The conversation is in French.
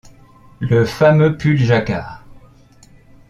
Le fameux pull jacquard.